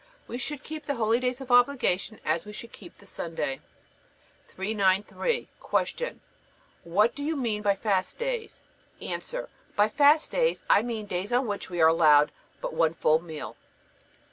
We should keep the holydays of obligation as we should keep the Sunday. 393. Q. What do you mean by fast days? A. By fast days I mean days on which we are allowed but one full meal.